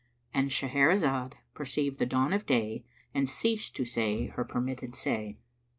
"—And Shahrazad perceived the dawn of day and ceased to say her permitted say.